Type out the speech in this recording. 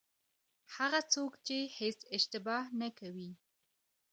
هغه څوک چې هېڅ اشتباه نه کوي.